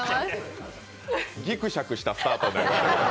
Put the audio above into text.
ギクシャクしたスタートになりました。